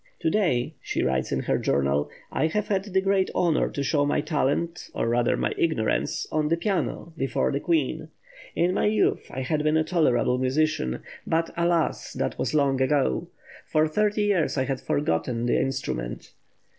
"To day," she writes in her journal, "I have had the great honour to show my talent, or rather my ignorance, on the piano before the Queen. In my youth I had been a tolerable musician, but, alas, that was long ago. For thirty years I had forgotten the instrument.